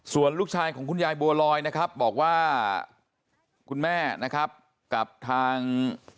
ส่วนลูกชายของคุณยายบัวลอยนะครับบอกว่าคุณแม่นะครับกับทาง